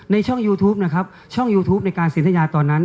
ช่องยูทูปนะครับช่องยูทูปในการเซ็นทยาตอนนั้น